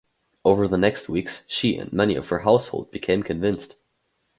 Over the next weeks she and many of her household became convinced.